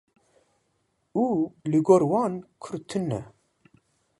û li gor wan Kurd tune.